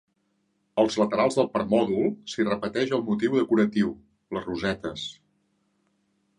Als laterals del permòdol s'hi repeteix el motiu decoratiu, les rosetes.